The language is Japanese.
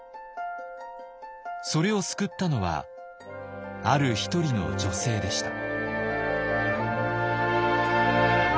それを救ったのはある一人の女性でした。